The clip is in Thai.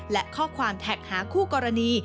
และข้อความแท็กหาคู่กรณี